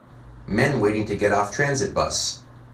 Men waiting to get off transit buss.